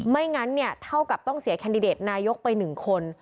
ไม่งั้นเนี่ยเท่ากับต้องเสียแคนดิเดตนายกไป๑คน